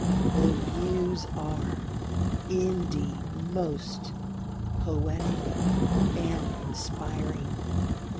The views are, indeed, most poetic and inspiring.